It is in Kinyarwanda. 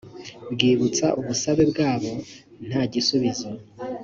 bwibutsa ubusabe bwabo nta gisubizo